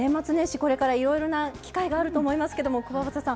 これからいろいろな機会があると思いますけどもくわばたさん